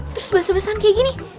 terus bahasa bahasaan kayak gini